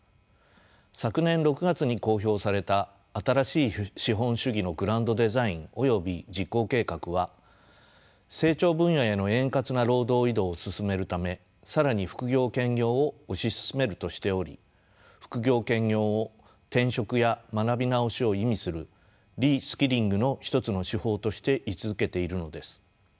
昨年６月に公表された新しい資本主義のグランドデザインおよび実行計画は成長分野への円滑な労働移動を進めるため更に副業・兼業を推し進めるとしており副業・兼業を転職や学び直しを意味するリスキリングの一つの手法として位置づけているのです。